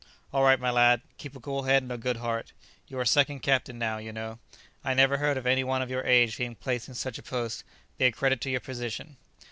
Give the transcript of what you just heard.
"All right, my lad; keep a cool head and a good heart. You are second captain now, you know. I never heard of any one of your age being placed in such a post; be a credit to your position!"